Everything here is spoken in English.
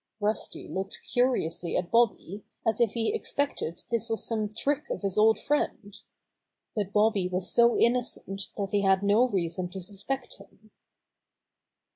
Rusty looked curiously at Bobby, as if he expected this was some trick of his old friend. But Bobby was so innocent that he had no reason to suspect him.